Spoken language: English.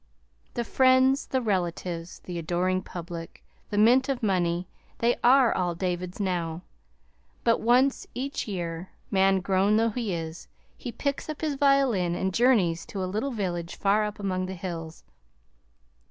The friends, the relatives, the adoring public, the mint of money they are all David's now. But once each year, man grown though he is, he picks up his violin and journeys to a little village far up among the hills.